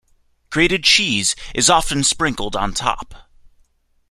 Grated cheese is often sprinkled on top.